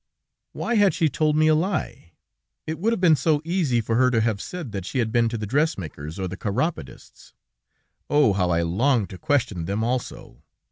"Why had she told me a lie? It would have been so easy for her to have said that she had been to the dressmaker's or the chiropodist's. Oh! How I longed to question them, also!